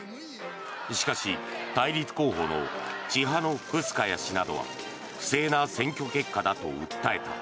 しかし、対立候補のチハノフスカヤ氏などは不正な選挙結果だと訴えた。